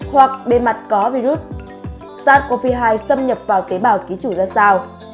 hoặc bề mặt có virus sars cov hai xâm nhập vào tế bào ký chủ ra sao